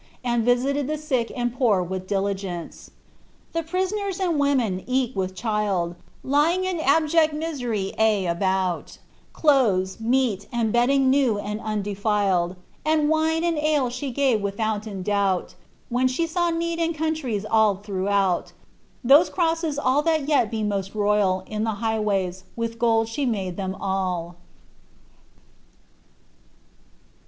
Ami visited ibe sick and pour with diligeoce. Thft priaanBii and women cka with child, Lfing in abjpct mi^pry ay about, Cloibai, meat, and bedding new and andoflled, And wine and ale ibe gave wiihouien doubt, When the saw need in countries all ihiouKboat, TboM oroaseB all that fet be most royal In the bighwajrs, with gold site made them all."'